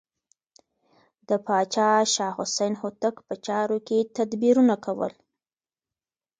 د پاچا شاه حسین هوتک په چارو کې تدبیرونه کول.